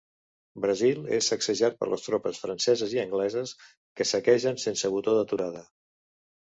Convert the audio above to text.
Brasil és sacsejat per les tropes franceses i angleses que saquegen sense botó d'aturada.